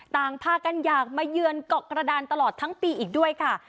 ต่างพากันอยากมาเยือนเกาะกระดานตลอดทั้งปีอีกด้วยค่ะ